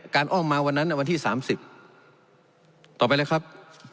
อ้อมมาวันนั้นวันที่๓๐ต่อไปเลยครับ